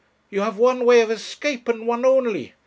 You have one way of escape, and one only.